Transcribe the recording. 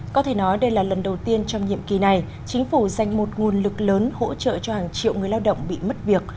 có thể nói đây là lần đầu tiên trong nhiệm kỳ này chính phủ dành một nguồn lực lớn hỗ trợ cho hàng triệu người lao động bị mất việc